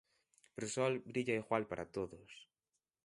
Pero o sol brilla igual para todos.